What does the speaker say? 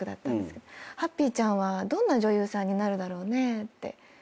「ハッピーちゃんはどんな女優さんになるだろうね」って言ってくださって。